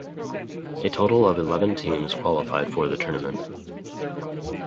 A total of eleven teams qualified for the tournament.